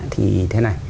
thì thế này